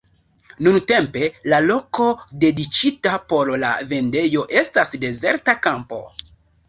Nuntempe la loko, dediĉita por la vendejo, estas dezerta kampo.